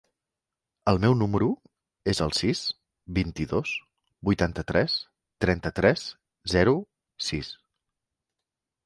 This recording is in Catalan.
El meu número es el sis, vint-i-dos, vuitanta-tres, trenta-tres, zero, sis.